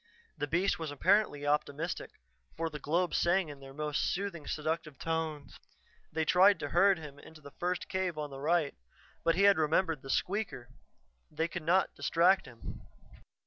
The beast was apparently optimistic, for the globes sang in their most soothing, seductive tones. They tried to herd him into the first cave on the right, but he had remembered the squeaker; they could not distract him.